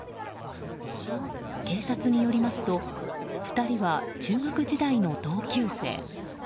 警察によりますと２人は中学時代の同級生。